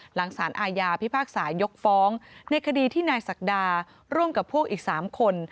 หลังสารอาญาพิพากษายกฟ้องในคดีที่นายศักดาร่วมกับพวกอีก๓คน